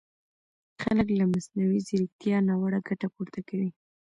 خلک له مصنوعي ځیرکیتا ناوړه ګټه پورته کوي!